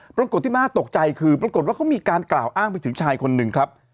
ปรากฏที่น่าตกใจคือปรากฏว่าเขามีการกล่าวอ้างไปถึงชายคนหนึ่งครับ